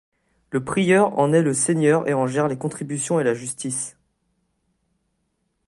Le prieur en est le seigneur et en gère les contributions et la justice.